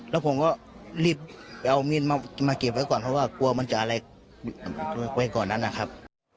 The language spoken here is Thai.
แล้วผมก็หลีบเอามีดรีบมันจอดถึงออกมาเก็บไว้ก่อนเพราะว่ากลัวมันจะอะไรเกิดไว้ก่อนนะครับ